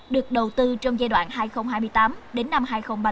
được đầu tư trong giai đoạn hai nghìn hai mươi tám đến năm hai nghìn ba mươi